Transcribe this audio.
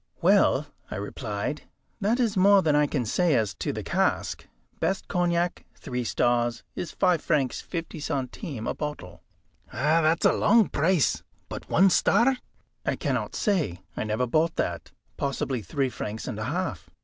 "Well," I replied, "that is more than I can say as to the cask. Best cognac, three stars, is five francs fifty centimes a bottle." "That's a long price. But one star?" "I cannot say; I never bought that. Possibly three francs and a half."